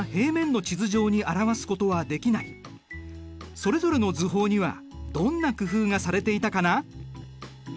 それぞれの図法にはどんな工夫がされていたかな？